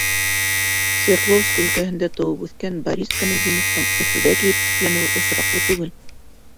Свердловск өлкәһендә тыуып үҫкән Борис Камалетдиновтың Өфөгә килеп төпләнеүе осраҡлы түгел.